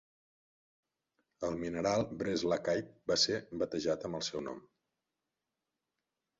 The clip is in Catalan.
El mineral Breislakite va ser batejat amb el seu nom.